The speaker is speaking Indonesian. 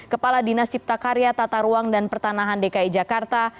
kepala dinas cipta karya tata ruang dan pertanahan dki jakarta